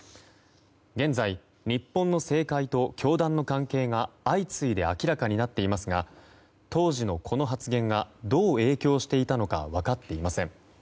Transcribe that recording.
現在、日本の政界と教団の関係が相次いで明らかになっていますが当時の、この発言がどう影響していたのか分かっていません。